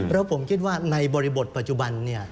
แล้วผมคิดว่าในบริบทปัจจุบัน